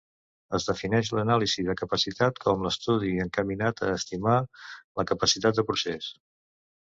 Es defineix l'anàlisi de capacitat, com l'estudi encaminat a estimar la capacitat de procés.